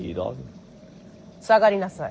下がりなさい。